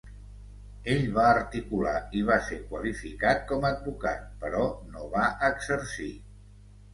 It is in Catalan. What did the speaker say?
Ell va articular i va ser qualificat com advocat, però no va exercir.